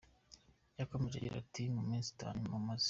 Yakomeje agira ati Mu minsi itanu namaze.